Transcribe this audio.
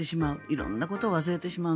色んなことを忘れてしまう。